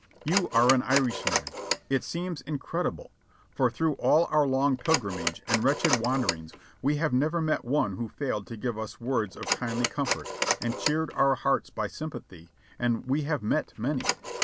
"You are an Irishman ! It seems incredible ; for through all our long pilgrimage and wretched wanderings we have never met one who failed to give us words of kindly comfort, and cheered our hearts by sympathy, and we have met many.